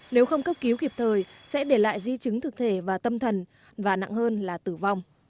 nếu không cấp cứu kịp thời sẽ để lại di chứng thực thể và tâm thần và nặng hơn là tử vong